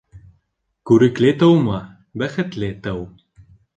Күрекле тыума, бәхетле тыу.